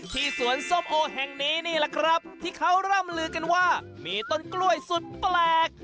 สวนส้มโอแห่งนี้นี่แหละครับที่เขาร่ำลือกันว่ามีต้นกล้วยสุดแปลก